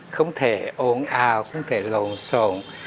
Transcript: không thể ồn ào không thể lộn xộn